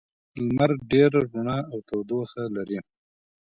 لمر ډېره رڼا او تودوخه لري.